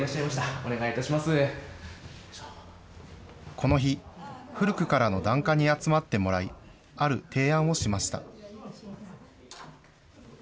この日、古くからの檀家に集まってもらい、ある提案をしました。